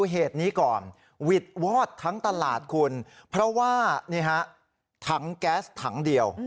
เหตุนี้ก่อนวิดวอดทั้งตลาดคุณเพราะว่านี่ฮะถังแก๊สถังเดียว